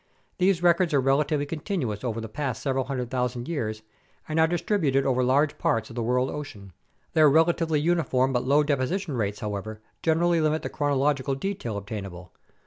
These records are relatively continuous over the past several hundred thousand years and are distributed over large parts of the world ocean. Their relatively uniform but low deposition rates, however, generally limit the chronological detail obtainable.